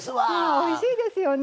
おいしいですよね。